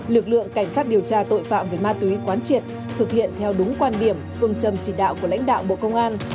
lực lượng cảnh sát điều tra tội phạm về ma túy quán triệt thực hiện theo đúng quan điểm phương châm chỉ đạo của lãnh đạo bộ công an